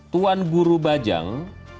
tuan guru bajang